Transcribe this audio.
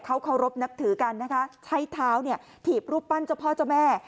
เขาเคารพนับถือกันนะคะใช้เท้าเนี่ยถีบรูปปั้นเจ้าพ่อเจ้าแม่